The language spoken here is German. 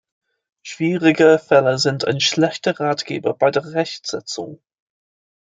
Schwierige Fälle sind ein schlechter Ratgeber bei der Rechtsetzung.